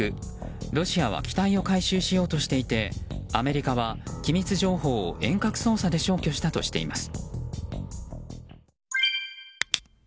ロシアは機体を回収しようとしていてアメリカは機密情報を遠隔操作で消去したとしています。